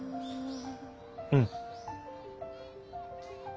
うん。